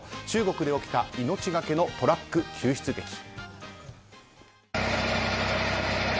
中国で起きた命がけのトラック救出劇。